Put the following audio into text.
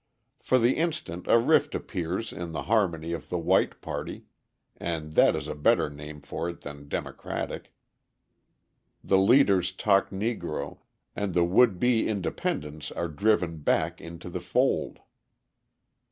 For the instant a rift appears in the harmony of the white party (and that is a better name for it than Democratic) the leaders talk Negro, and the would be independents are driven back into the fold.